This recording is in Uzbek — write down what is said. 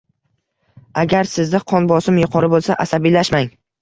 Agar sizda qon bosimi yuqori bo‘lsa, asabiylashmang.